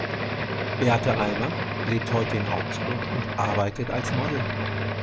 Beate Almer lebt heute in Augsburg und arbeitet als Model.